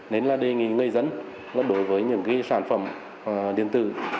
nên là đề nghị người dân đối với những sản phẩm điện tử